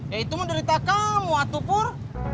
ya itu menderita kamu atupur